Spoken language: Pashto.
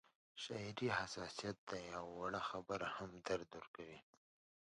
شاعري حساسیت دی او وړه خبره هم درد ورکوي